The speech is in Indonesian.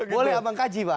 boleh abang kaji pak